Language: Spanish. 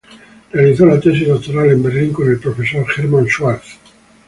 Realizó la tesis doctoral en Berlín con el profesor Hermann Schwarz.